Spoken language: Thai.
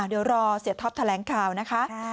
เดี๋ยวรอเสียท็อปแถลงข่าวนะคะ